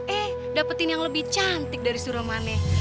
eh dapetin yang lebih cantik dari si rumane